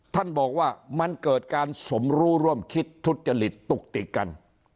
ท่านบอกว่ามันเกิดการสมรู้ร่วมคิดทุจริตตุกติกกัน